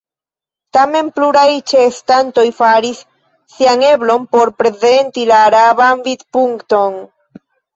Tamen pluraj ĉeestantoj faris sian eblon por prezenti la araban vidpunkton.